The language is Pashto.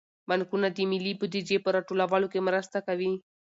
بانکونه د ملي بودیجې په راټولولو کې مرسته کوي.